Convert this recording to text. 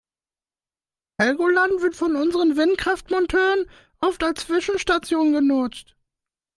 Helgoland wird von unseren Windkraftmonteuren oft als Zwischenstation genutzt.